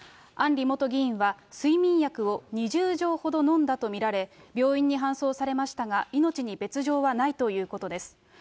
案里元議員は、睡眠薬を２０錠ほど飲んだと見られ、病院に搬送されましたが、命に別状はないということです。